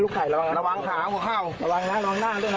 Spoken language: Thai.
ระวังขารองข้าเข้าระวังนะร้องหน้าด้วยนะ